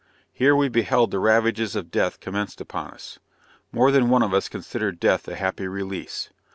Here we beheld the ravages of death commenced upon us. More than one of us considered death a happy release.